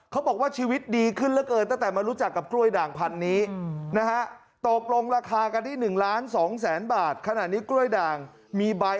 เขาบอกว่าชีวิตดีขึ้นเหลือเกินตั้งแต่มารู้จักกับกล้วยด่างพันนี้นะฮะตกลงราคากันที่๑ล้าน๒แสนบาทขณะนี้กล้วยด่างมีใบ